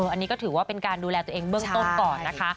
อันนี้ก็ถือว่าเป็นการดูแลตัวเองเบื้องต้นก่อนนะคะ